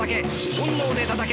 本能でたたけ。